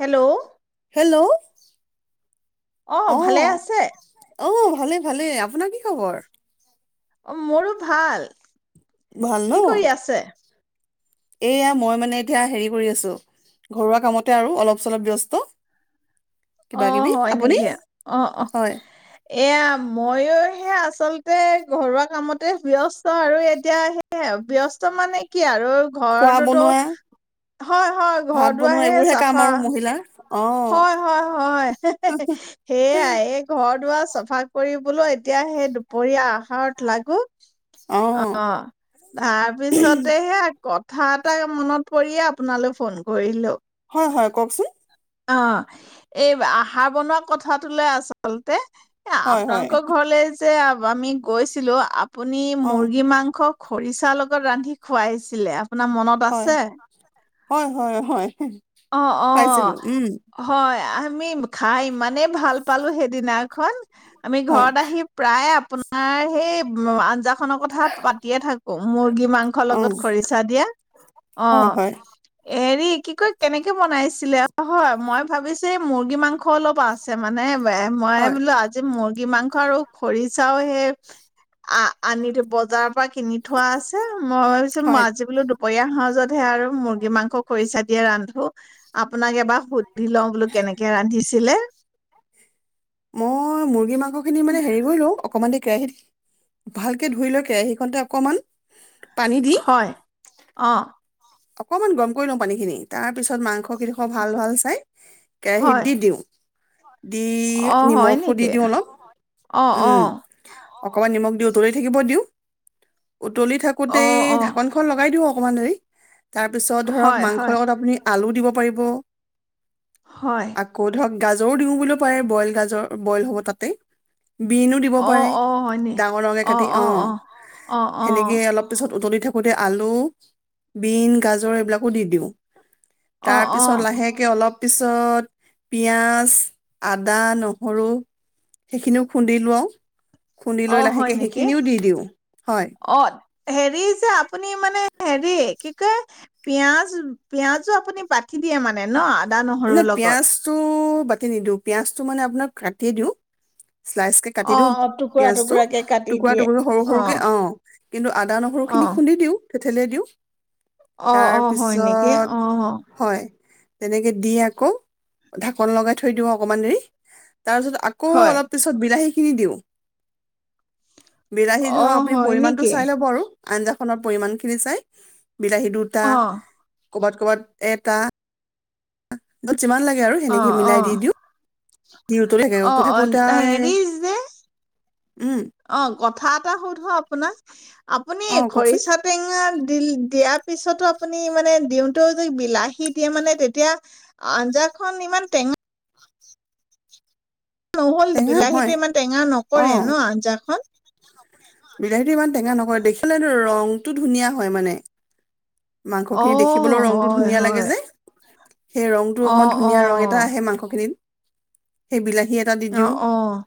Hello hello? অ, ভালে আছে? অ ভালে ভালে আপোনাৰ কি খবৰ? খবৰ? মোৰো ভাল! কি কৰি আছে? এইয়া মই মানে এতিয়া হেৰী কৰী আছোঁ, ঘৰুৱা কামতে আৰু অলপ-চলপ ব্যস্ত। অ কিবা কিবি হয় আপুনি নেকি! অ-অ, হয় এইয়া মইও হেই আচল তেই ঘৰুৱা কামতে ব্যস্ত আৰু এতিয়া হেইয়া আৰু ব্যস্ত মানে কি আৰু? খোৱা ঘৰটোতো, বনোৱা হয় হয় ঘৰ ভাত দুৱাৰ বনোৱা হেই এইবোৰহে কাম চাফা। আৰু মহিলাৰ অ হয় হয় হয়, সেয়াই এই ঘ ঘৰ দুৱাৰ চাফা কৰি বোলো এতিয়া হেই দুপৰীয়া আ [unintelligible] লাগো, অ', তাৰ পিছতে হেয়া ক থা এটাই মনত পৰীয়ে আপোনালে ফোন কৰিলোঁ। হয় হয় কওকচোন? অ, এই আহাৰ বনোৱা কথাটো লৈ আঁচলতে। এই হয় হয় আপোনালোকৰ ঘৰলে যে তে আমি গৈছিলোঁ আপ আপুনি অ মুৰ্গী মাংস খৰিচা লগত ৰান্ধি খুৱাইছিলে। আপোনা মনত হয় আছে? হয় হয় হয়। অ', খুৱাইছিলো অ', উম হয় আ মি খাই ইমানেই ভাল পালোঁ সেইদিনাখন। আমি হয় ঘৰত আহি প্ৰায় আপোনাৰ সেই উম আঞ্জা খনৰ কথা পাতিয়ে থাকোঁ মুৰ্গী মাংস অ লগত খৰিচা দিয়া। হয় অ', হয় এই হেৰী কি কয় কেনেকে বনাইছিলে হয়, মই ভাৱিছে মুৰ্গী মাংস অলপ আছে মানে বে, মই হয় বোলো আজি মোৰ গি মাংস আৰু খৰিছাওহে আ আনিতু বজা বা কিনি থোৱা আছে, মই ভাবিছো হয় মই বোলো দুপৰীয়া খাও যদি হে আৰু মুৰ্গী মাংস‌ খৰিচা দিয়ে ৰান হো আপোনাক এবাৰ সুধি লওঁ বোলো কেনেকে ৰান্ধিছিলে। মই মুৰ্গী মাং স খিনি মানে হেৰি কৰি লওঁ অকণমান দেৰি কেৰাহীত, ভালকে ধুইলো কেৰাহীখন তে অকমান। পানী দি হয়, অ'। অকমান গৰম কৰি লওঁ পানীখিনি, তাৰ পিছত মাংস [unintelligible] ভাল ভাল চাই, হয় কেৰাহীত দি দিওঁ। দি অ হয় নিমখো দি নেকি দিওঁ অলপ, অ অ ‌উম। অকমান নিমখ দি উতলি থাকিব দিওঁ। উতলি অ থাকোতেই অ ঢাকোনখন লগাই দিওঁ [unintelligible] তাৰ পিছত ধৰক হয় মাংসৰ হয় লগত আপুনি আলু দিব পাৰিব। হয় আকৌ ধৰক গাজৰো দিও বুলিওঁ পাৰে, বইল গাজৰ বইল হ'ব তাতেই। বিনু দিব অ পাৰে, অ হয়নি ডাঙৰ ডাঙৰ কে কাটি অ', অ অ সেনেকে অলপ পিছত উতলি [unintelligible] থাকোতে আলু, বিন গাজৰ এইবিলাকো দি দিওঁ। অ', তাৰ পিছত অ', লাহেকে অলপ পিছত পিঁয়াজ, আদা, নহৰু সেইখিনিও খুন্দি লওঁ। খুন্দি অ লৈ হয় লাহেকে নেকি, সেইখিনিও দি দিওঁ। হয়, অ হেৰি যে আ আপুনি মানে হেৰি, কি কয়, পিয়াজ পিয়াজো আপুনি বাতি দিয়ে মানে ন? আদা নহৰুৰ এনে লগত? পিয়াজটো- বাতি নিদিওঁ, পিয়াজতু মানে আপুনাৰ কাতি দিওঁ। স্লাইচ কে কাটি দিউ অ', অ', টুকুৰা পিয়াজতু, টুকুৰাকে কাটি টুকুৰা দিয়ে। টুকুৰ সৰু সৰু কে, অ, কেকিন্তু আদা নোহোৰু খনি খুন্দি দিউ। থেথেলিয়াই দিওঁ। অঁ তাৰ অঁ হয় নেকি, পিছত অঁ অঁ। হয়, তেনেকে দি আকৌ ঢাকন লগাই থৈ দিওঁ অকনমান দেৰি। তাৰ পিচত আকৌ হয়। অলপ পিচত বিলাহী দি দিওঁ। বিলাহী [unintelligible] অ', আপুনি হয় পৰিমাণটো নেকি? চাই লব আৰু। আঞ্জাখনত পৰিমাণখিনি চাই বিলাহী দুটা অ', ক'বাত ক'বাত এটা [unintelligible] যিমান লাগে আৰু অ', সেনেকে মিলাই অ', দি দিওঁ দি উতলি থাকে, অ', উতলি অ', হেৰি [unintelligible] যে উম। অ', কথা এটা সোধো আপোনাক। আপুনি অ কওকচোন খৰিচা টেঙা [unintelligible] দিয়াৰ পিছতো আপুনি মানে দিওঁতেও যদি বিলাহী দিয়ে মানে তেতিয়া, আঞ্জাখন ইমান টেঙা নহ'ল টেঙা বিলাহীটো নহয়, ইমান টেঙা নকৰে অ', ন আঞ্জাখন? বিলাহীটোৱে ইমান টেঙা নকৰে, দেখিলেটো ৰং টো ধুনীয়া হয়, মানে। মাংসখিনি দেখিবলৈও অ', ৰংটো হয় ধুনীয়া লাগে হয়। যে। সেই ৰংটো অকমান অ', ধুনীয়া ৰং এটা অ', আহে মাংসখিনিত। সেই বিলাহী এটা দি অ', দিওঁ, অ',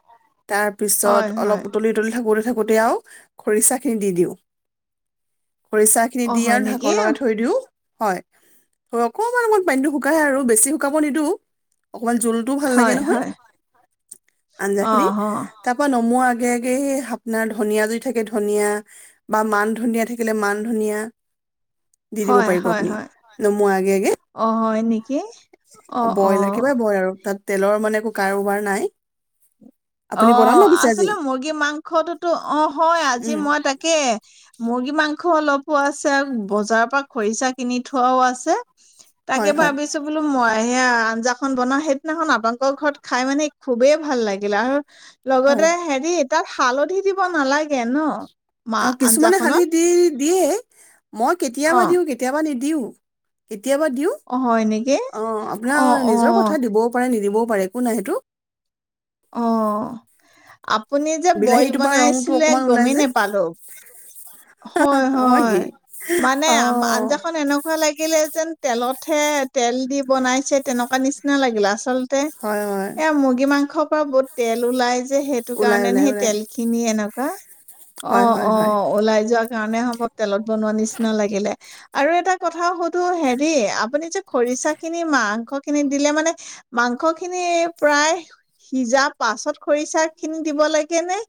তাৰ পিছত হয় অলপ হয়। উতলি উতলি থাকোঁতে থাকোঁতেই আও খৰিচাখিনি দি দিওঁ। খৰিচাখিনি অ', দি হয় আও নেকি? ঢাকোন লগাই থৈ দিওঁ। হয়, ধৰক, অকণমান, অকণমান পানীতো শুকাই আৰু বেছি শুকাব নিদিওঁ [unintelligible] জুলটোও ভাল লাগে হয় নহয় হয়। আঞ্জাখিনি, অ', অ', তাপা ন নমোৱাৰ আগে, আগে, সেই আপোনাৰ, ধনীয়া যদি থাকে, ধনীয়া বা মানধনীয়া থাকিলে মানধনীয়া দি দিব হয় পাৰিব হয় আপুনি। হয়। নমোৱাৰ আগে, অ', হয় নেকি? অ', অ'। আগে ব্ৰইলাৰ [unintelligible] তাত তেলৰ, মানে, একো কাৰোবাৰ নাই অ', আপুনি বনাম ভাবিছে আজি আচলতে মুৰ্গী মাংসতটো, অ', হয়, আজি উম মই তাকে মুৰ্গী মুৰ্গী মাংস অলপো আছে। বজাৰৰ পৰা খৰিচা কিনি থোৱাও আছে। তাকে হয় হয় ভাবিছোঁ, বোলো, মই সেয়া আঞ্জাখন বনাওঁ। সেইদিনাখন আপোনালোকৰ ঘৰত খাই, মানে, খুবেই ভাল লাগিলে। আৰু হয় লগতে, হেৰি তাত হালধি দিব নালাগে, ন? মা অ', কিছুমানে হালধী আঞ্জাখনত দি দিয়ে। মই কেতিয়াবা অ', দিওঁ, কেতিয়াবা নিদি দিওঁ। কেত কেতিয়াবা দিওঁ। অ', হয় নেকি? অ', আপোনাৰ অ', নিজৰ কথা। অ', দিবও পাৰে, নিদিবও একো নাই সেইটো। অ'। আপুনি যে, বইল বিলাহীটোৰ পৰা ৰংটো বনাইছিলে অকমান ওলাই গমেই যে নেপালোঁ। হয়, হয়, মানে অ আম আঞ্জাখন এনেকুৱা লাগিলে যেন তেলতহে, তেল দি বনাইছে তেনেকুৱা নিচিনা লাগিলে আচল তে হয় হয় এয়া মুৰ্গী মাংস বহুত তেল ওলাই সেইটো ওলাই কাৰণে নি ওলাই সেই ওলাই তেলখিনি এনেক [unintelligible] হয় অ', হয় হয় অ', ওলাই যোৱা [unintelligible] তেলত বনোৱা নিচিনা লাগিলে। আৰু এটা কথা সুধো হেৰি, আপুনি যে, খৰিছাখিনি মাংস খিনিত দিলে মানে, মাংস খিনি প্ৰায় সিজা পাছত খৰিছাখিনি দিব লাগে নে?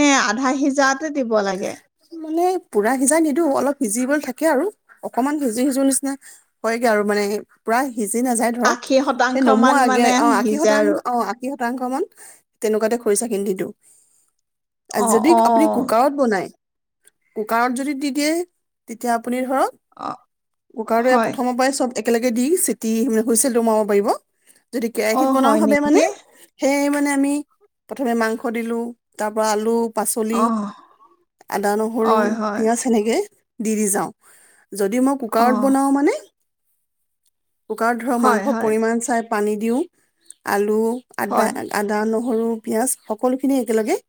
নে আধা সিজাতে দিব লাগে? মানে পূৰা সিজাই নিদো, অলপ সিজিবলৈ থাকে আৰু। অকনমান সিজো সিজো নিচিনা হয়গে আৰু মানে এ পূৰা সিজি নাযায় ধৰক, আশী সেই শতাংশ মান নমোৱা আগে মানে অ', আশী সিজে শতাং আৰু অ', আশী শতাংশ মান, তেনেকুৱাতে খৰিছা অ [unintelligible] যদি অ আপুনি কুকাৰত বনায় কুকাৰত যদি দি দিয়ে, তেতিয়া আপ আপুনি ধৰক, অ কুকাৰটোৱে হয় প্ৰথমৰ পাই চব একেলগে দি চিতি‌ হুমে হুচেলটো মাৰিব পাৰিব। দি অ কেৰাহীত বনাওঁ হয় ভাৱে মানে, নেকি সেই মত [unintelligible] প্ৰথমে মাংস দিলোঁ, তাৰপা আলু। পাচলি অ আদা নহৰু হয় হয় পিয়াজ সেনেকে দি দি যাওঁ যদি মই অ কুকাৰত বনাওঁ মানে কুকাৰত ধৰ হয় মাংসৰ হয় পৰিমাণ চাই পানী দিওঁ, আলু আদা, হয় আদা, নহৰু সৰু পিয়াঁজ, সকলোখিনি একেলগে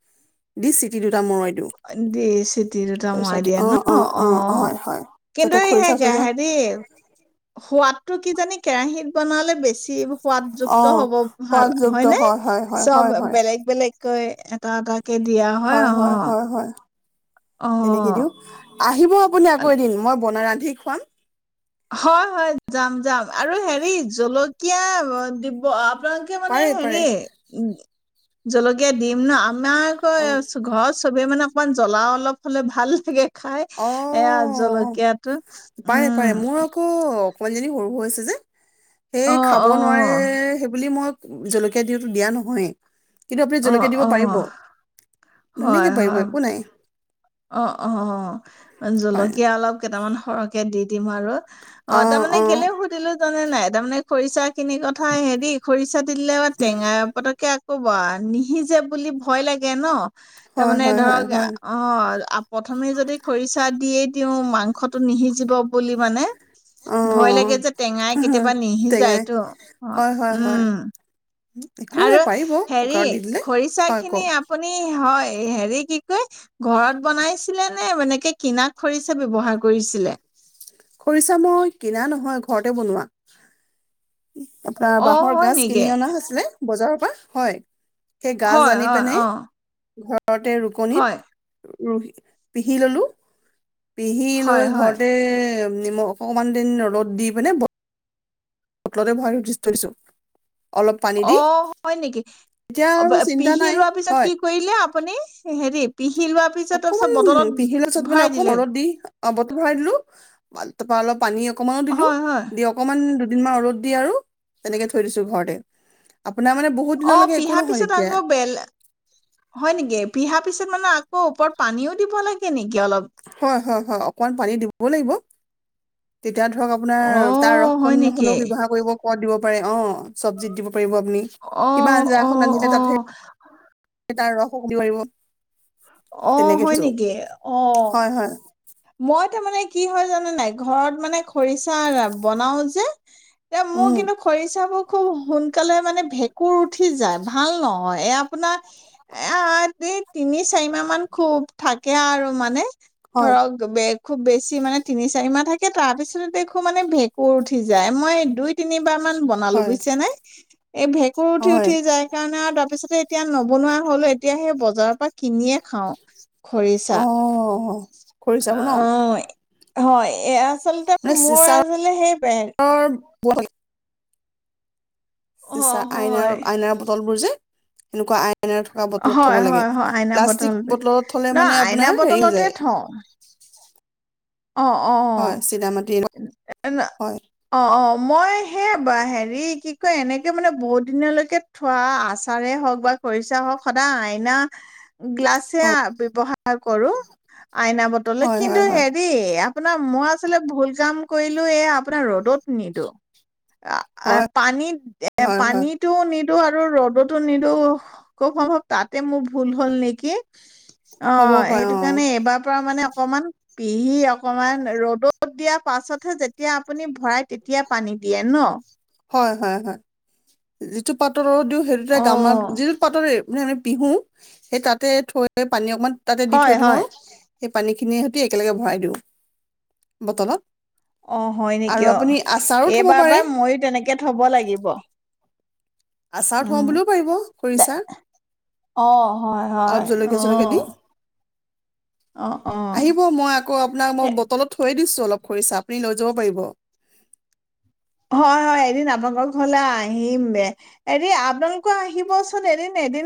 দি চিটি দুটা মৰাই দিওঁ দি চিটি দুটা খৰিচা মৰাই দি দিয়ে অ ন? অ', হয় হয় কিন্তু যাতে খৰিচা চৰিচা [unintelligible] হেৰি সোৱাদ টো কিজানি কেৰাহীত বনালে বেছি সোৱাদযুক্ত অ হ'ব ভাল সোৱাদযুক্ত হয়, নে? হয় হয় চব হয় হয় বেলেগ বেলেগ কৈ এটা এটা কে দিয়া হয়, অ'। তেনেকে দিওঁ, আহিব অ [unintelligible] মই ৰান্ধি খুৱাম। হয়, হয়, যাম, যাম আৰু হেৰি জলকীয়া দিব আপ আপোনালোকে মানে পাৰে পাৰে হেৰি জলকীয়া দিম ন? আমাৰ আকৌ অ এচ ঘচ চবে মানে অকমান জ্বলা অলপ হ'লে ভাল লাগে। খাই অ এয়া জলকীয়াটো পাৰে পাৰে মোৰ উম। আকৌ অকমান জানি সৰু হৈ হৈছে যে। অ সেই খাব অ নোৱাৰে সেইবুলি মই জলকীয়া দিওঁতো দিয়া নহয়। কিন্তু আপুনি অ জলকীয়া দিব অ পাৰিব। হয় ধুনীয়াকে পাৰিব হয় একো নাই। অ', অ', অ'। হয় জলকীয়া অলপ কেইটামান সৰহকে দি দিম আৰু অ', তাৰমানে কেলে সুধিলো জানে নাই? তামানে খৰিচা খিনি কথা হেৰি খৰিচা দিলে আ টেঙা পতকে আক আকৌ বা নিসিজে বুলি ভ হয় তাৰমানে হয় হয় ধৰক, হয় অ' আ প্ৰথমে যদি খৰিচা দিয়ে, তেওঁ মানসটো নিসিজিব কলি মানে অ ভয় লাগে যে, টেঙাই কেতিয়াবা টেঙাই নিসিজাইটো, অ', হয় হয় হয় উম। একো আৰু নাই পাৰিব হেৰি কুকাৰত দি দিলে খৰিচা হয় খিনি কওক আপুনি, হয়। এ হেৰি কি কয় ঘৰত বনাইছিলে নে? এনেকে কিনা খৰিচা ব্যৱহাৰ কৰিছিলে? খৰিচা মই কিনা নহয়, ঘৰতে বনোৱা। আপোনাৰ অ বাঁহৰ হয় গাজ কিনি নেকি অনা হৈছিলে। বজাৰৰ পা হয়। সেই গাজা হয় আনি হয় পেনেই অ ঘ ওচৰতে ৰুকনিত হয় হু পিহি ল'লো পিহি লৈ হয় হয় ঘৰতে নিমখ অকণমান দিন ৰ'দ দি পিনে বট বটলতে ভৰাই থৈ দিছো। অলপ পানী দি অ', হয়, নেকি এতিয়া আৰু চিন্তা পিহি নাই লোৱাৰ পিছত হয় কি কৰিলে আপুনি? হেৰি পিহি লোৱাৰ পিছত তাৰপিছত অকমান বটলত পিহি লোৱা পিছত মানে ভৰাই অকন দিলে ৰ'দত দি অ', বটলো ভৰাই দিলো তাৰপা অলপ পানী অক অকমানো দিলো হয় হয় দি অকমান দুদিনমান ৰ'দ দি আৰু তেনেকে থৈ দিছো ঘৰতে। আপোনাৰ মানে বহুত অ', দিনলৈকে একো পিহা নহয় পিছত তেতিয়া আকৌ বেল হয় নেকি? পিহা পিছত মানে আকৌ ওপৰত পানীও দিব লাগে নেকি অলপ? হয়, হয়, হয় অকমান পানী দিবও লাগিব। তেতিয়া ধৰক আপোনাৰ অ তাৰ ৰসকণ হয় ন হ'লেও নেকি ব্যৱহাৰ কৰিব দিব পাৰে অ', চব্জিত দিব। পাৰিব আপুনি কিবা অ', আঞ্জা এখন অ', ৰান্ধিলে তাত অ'। তাৰ ৰসো বুলি [unintelligible] পাৰিব। অ', তেনেকে হয়, থৈছো নেকি? অ'। হয় হয় মইত মানে কি হয়, জানে নে নাই ঘৰত মানে খৰিচা বনাও যে, এ মোৰ উম কিন্তু খৰিচাবোৰ খুব সোনকালে মানে ভেঁকুৰ উঠি যায়। ভাল ন অ', এয়া আপোনাৰ এ আ দি তিনি চাৰিমাহ মান খুব থাকে আৰু মানে হয় [unintelligible] বে খুব বেছি নহয় তিনি, চাৰিমাহ থাকে তাৰপিছতে দেখো মানে ভেঁকুৰ উঠি যায় মই এ দুই, তিনি বাৰ মান বনালো হয় বুইছেনে? এই ভেঁকুৰ উঠি, হয় উঠি যায় কাৰণে আৰু তা পিছতে এতিয়া নবনোৱা হ'লো, এতিয়া সেই বজাৰৰ পৰা কিনিয়ে খাওঁ। অ', খৰিচা অ'। খৰিচা [unintelligible] অ', হয়, এয়া আচলতে মানে মোৰ চিচাৰৰ আছিলে আচলতে সেই [unintelligible] [unintelligible] চিছা, অ', আইনা, হয়। আইনাৰ বটলবোৰ যে এনেকুৱা আ আইনা থকা বটলত হয়, থব লাগে, হয়, হয়, আইনা বটল প্লাষ্টিক বটলত থলে নহ মানে আইনা আপোনাৰ হেৰি হৈ বটলতে যায়। থওঁ। অ', হয় অ', চিনা মাটি না, হয় অ', অ'। মই, হে বা হেৰি কি কিয় এনেকে মানে বহুত দিনলৈকে থোৱা আচাৰে হওঁক বা খৰিচা হওঁক সদায় আইনা গ্লাছে আ, হয় ব্যৱহাৰ কৰোঁ, আইনা বটলে হয় কিন্তু হয় হয় হে এ, আপোনা মই আচলতে ভুল কাম কৰিলোঁ, এ আপোনা ৰ'দত নিদো। আ, অঃহ, হয় পানীত এ হয় হয় পানীতো নি নিদো আৰু ৰ'দটো নিদো খুব সম্ভৱ তাতে মোৰ ভুল হ'ল নেকি? হ'ব অ', পাৰে সেইটো অ কাৰণে এইবাৰ পা মানে অক কমান পিহি অকনমান ৰ'দত দিয়া পাছতহে যেতিয়া আপুনি ভৰাই তেতিয়া পানী দিয়ে ন? হয়, হয়, হয়, যিটো পাত তত দিওঁ, সেইটোতে অ গামাত যিটো পাতৰেই [unintelligible] পিহোঁ, সেই তাতে থৈ পানী অকণমাণ তাতে দি হয় থৈ দিওঁ হয় আও সেই পানীখিনি সৈতি একেলগে ভৰাই দিওঁ, বটলত। অ', হয় আৰু নেকি অ', আপুনি আচাৰো থ'ব এইবাৰৰ পাৰে পৰা মইও তেনেকে থব লাগিব। আচাৰ থওঁ উম বুলিও পাৰিব, দে খৰিচা, অ হয় হয় অলপ অ জলকীয়া চলকীয়া দি। অ অ আহিব, মই আকৌ আপোনা ম এ বটলত থৈ দিছোঁ অলপ। খৰিচা, আপুনি লৈ যাব পাৰিব। হয়, হয়, এদিন আপোনালোকৰ ঘৰলৈ আহিম, এদিন আপোনালোক আকৌ আহিবচোন এদিন-এদিন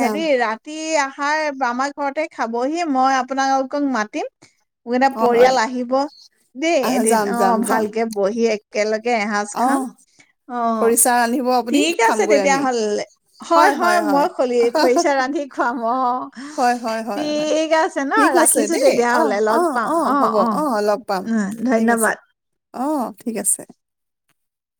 যাম ৰাতি আঠ হয়, আমাৰ ঘৰতে খাবহি মই আপোনালোকক মাতিম [unintelligible] অ' হয় পৰিয়াল আহিব দেই আহ এদিন যাম যাম অ', যাম ভালকৈ বহি [unintelligible] কে এসাঁজ অ' খাম, অ', খৰিচা আনিব আপুনি ঠিক আছে খামগৈ আমি তেতিয়াহলে, হয় হয়-হয়, হয় মই হয় খলি খৰিছা ৰান্ধি খুৱাম অ', হয় হয় হয় হয় ঠিক আছে ন ঠিক আছে ৰাখিছোঁ দেই তেতিয়া অ' হ'লে লগ অ' পাম, অ' হ'ব অ'-অ', অ' লগ পাম উম্, ঠিক আছে ধন্যবাদ। অ', ঠিক আছে।